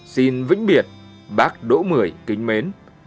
xin vĩnh biệt bác đỗ mười kính mến